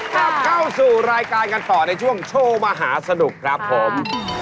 กลับเข้าสู่รายการกันต่อในช่วงโชว์มหาสนุกครับผม